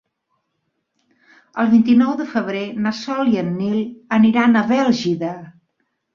El vint-i-nou de febrer na Sol i en Nil aniran a Bèlgida.